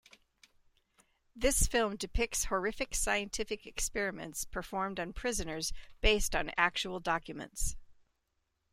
This film depicts horrific scientific experiments performed on prisoners based on actual documents.